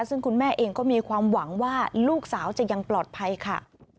ซึ่งคุณแม่เองก็มีความหวังว่าลูกสาวจะยังปลอดภัยค่ะ